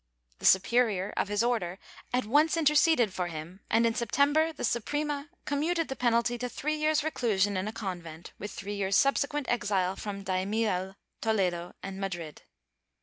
The superior of his Order at once interceded for him and, in September, the Suprema commuted the penalty to three years' reclusion in a convent, with three years' subsequent exile from Daimiel, Toledo and Madrid.